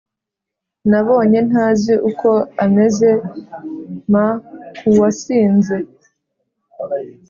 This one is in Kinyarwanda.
nabonye ntazi uko ameze mkuwasinze